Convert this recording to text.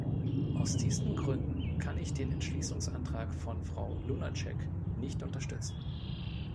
Aus diesen Gründen kann ich den Entschließungsantrag von Frau Lunacek nicht unterstützen.